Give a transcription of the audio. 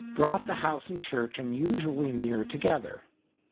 brought the house and Church unusually near together.